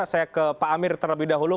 saya ke pak amir terlebih dahulu